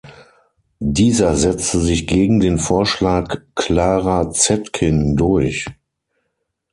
Dieser setzte sich gegen den Vorschlag "Clara Zetkin" durch.